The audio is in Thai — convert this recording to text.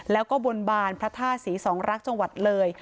แล้วก็บนบานพระธาตุศรีสองรักษ์จังหวัดเลย